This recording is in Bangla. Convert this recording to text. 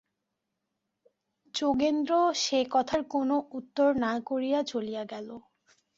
যোগেন্দ্র সে কথার কোনো উত্তর না করিয়া চলিয়া গেল।